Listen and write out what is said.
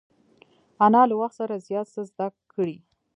انا له وخت سره زیات څه زده کړي